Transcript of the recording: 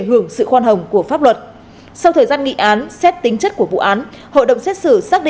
hưởng sự khoan hồng của pháp luật sau thời gian nghị án xét tính chất của vụ án hội đồng xét xử xác định